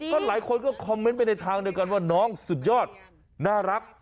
ก็หลายคนก็คอมเมนต์ไปในทางเดียวกันว่าน้องสุดยอดน่ารัก